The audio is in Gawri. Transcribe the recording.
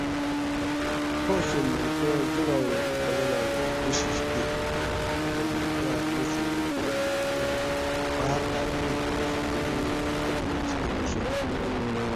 باچہ ملکہ جولاگ بدلاگاں کوشش کیر خو ملکہ نہ چھورو تے ملکہ بار بار ایں پریشانی تپوس کروڛیت